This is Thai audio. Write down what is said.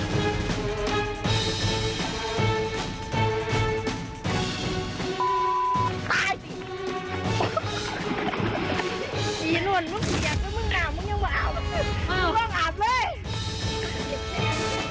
สีนวนมันเปียกแล้วมึงหนาวมึงยังมาเอา